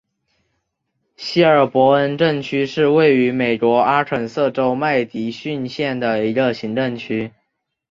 希尔伯恩镇区是位于美国阿肯色州麦迪逊县的一个行政镇区。